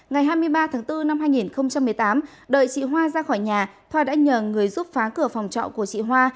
ngày hai mươi ba tháng bốn năm hai nghìn một mươi tám đợi chị hoa ra khỏi nhà thoa đã nhờ người giúp phá cửa phòng trọ của chị hoa